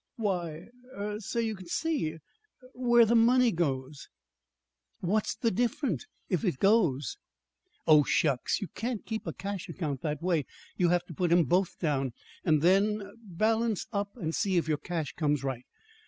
"Why, er so you can see er what the money goes for." "What's the difference if it goes?" "Oh, shucks! You can't keep a cash account that way! You have to put 'em both down, and then er balance up and see if your cash comes right.